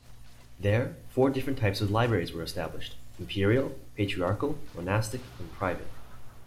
There, four different types of libraries were established: imperial, patriarchal, monastic, and private.